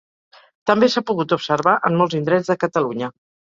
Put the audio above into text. També s'ha pogut observar en molts indrets de Catalunya.